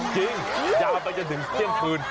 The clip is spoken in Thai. จริงยาวไปจนถึงเที่ยงคืน